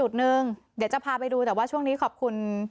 เดี๋ยวจะพาไปดูแต่ว่าช่วงนี้ขอบคุณ